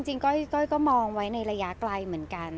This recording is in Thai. ก้อยก็มองไว้ในระยะไกลเหมือนกัน